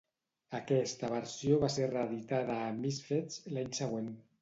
Aquesta versió va ser reeditada a 'Misfits' l'any següent.